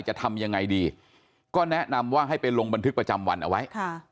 จะทำยังไงดีก็แนะนำว่าให้ไปลงบันทึกประจำวันเอาไว้